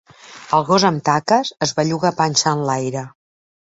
El gos amb taques es belluga panxa enlaire.